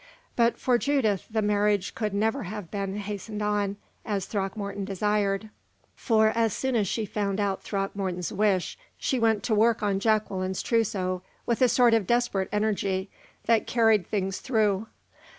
But for Judith the marriage could never have been hastened on, as Throckmorton desired; for, as soon as she found out Throckmorton's wish, she went to work on Jacqueline's trousseau with a sort of desperate energy that carried things through.